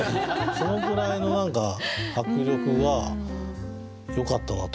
そのぐらいの何か迫力がよかったなと思いますね。